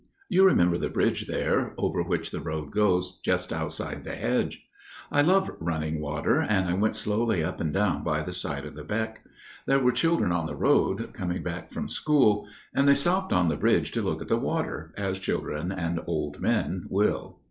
You remember the bridge there, over which the road goes, just outside the hedge. I love running water, and I went slowly up and down by the side of the beck. There were children on the road, coming back from school, and they stopped on the bridge to look at the water, as children and old men will.